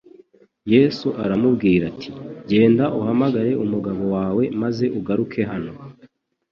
Yesu aramubwira ati, “Genda uhamagare umugabo wawe maze ugaruke hano